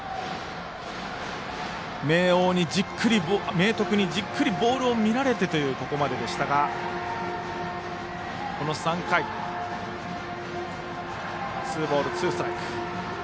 明徳にじっくりボールを見られてというここまででしたが、この３回ツーボールツーストライク。